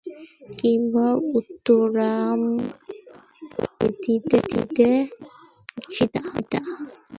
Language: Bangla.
কিম্বা উত্তররামচরিতের সীতা?